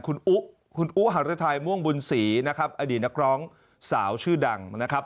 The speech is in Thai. คุณอุอุฮารุทัยม่วงบุญศรีอดีตนักร้องสาวชื่อดัง